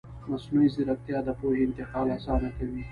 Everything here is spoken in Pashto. مصنوعي ځیرکتیا د پوهې انتقال اسانه کوي.